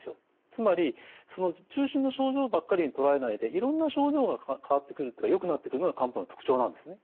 つまりその中心の症状ばっかりにとらわれないでいろんな症状が変わってくるよくなってくるのが漢方の特徴なんですね。